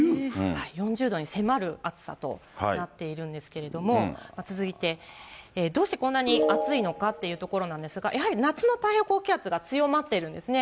４０度に迫る暑さとなっているんですけども、続いて、どうしてこんなに暑いのかっていうところなんですが、やはり夏の太平洋高気圧が強まっているんですね。